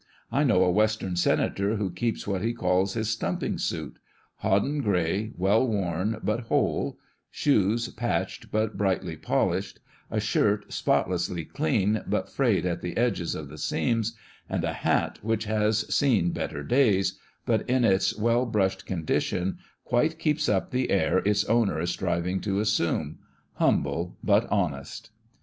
I know a Western senator who keeps what he calls his stumping suit — hodden grey, well worn, but whole ; shoes patched, but brightly polished ; a shirt spotlessly clean, but frayed at the edges of the seams ; and a hat which lias seen better days, but in its well brushed condition quite keeps up the air its owner is striving to assume — humble but honest.